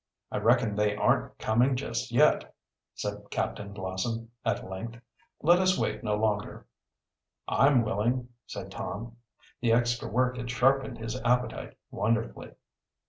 "I reckon they aren't coming just yet," said Captain Blossom, at length. "Let us wait no longer." "I'm willing," said Tom. The extra work had sharpened his appetite wonderfully.